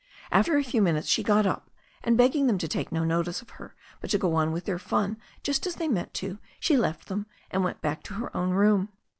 After a few minutes she got up, and begging them to take no notice of her, but to go on with their fun just as they meant to, she left them, and went back to> her own room.